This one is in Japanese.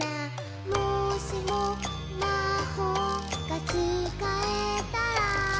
「もしもまほうがつかえたら」